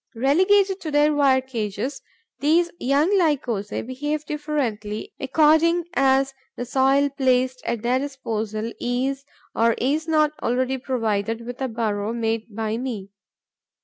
Relegated to their wire cages, these young Lycosae behave differently according as the soil placed at their disposal is or is not already provided with a burrow made by me.